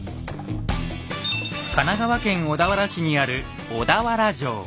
神奈川県小田原市にある小田原城。